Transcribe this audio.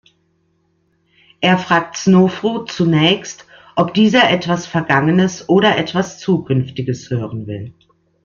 Er fragt Snofru zunächst, ob dieser etwas Vergangenes oder etwas Zukünftiges hören will.